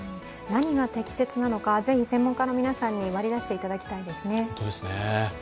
何が適切なのか、ぜひ専門家の皆さんに割り出していただきたいですね。